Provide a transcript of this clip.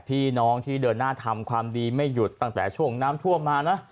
พี่น้องที่เดินหน้าทำความดีไม่หยุดตั้งแต่ช่วงน้ำท่วมมานะ